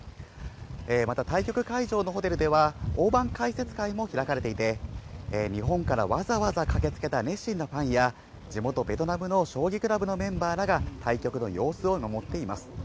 また対局会場のホテルでは、大盤解説会も開かれていて、日本からわざわざ駆けつけた熱心なファンや地元、ベトナムの将棋クラブのメンバーらが、対局の様子を見守っています。